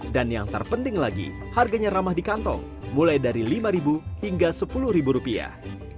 dan yang terpenting lagi harganya ramah di kantong mulai dari lima hingga sepuluh rupiah